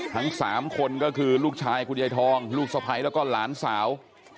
ทั้ง๓คนก็คือลูกชายคุณยายทองลูกสะพ้ายแล้วก็หลานสาว